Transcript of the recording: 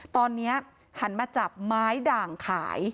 ตอนนี้หันมาจับไม้ด่างขาย